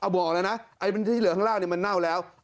บอกเลยนะไอ้ที่เหลือข้างล่างมันเน่าแล้ว